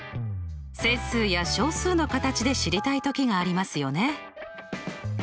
整数や小数の形で知りたい時がありますよね。